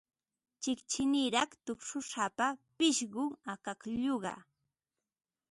Chiqchiniraq tupshusapa pishqum akaklluqa.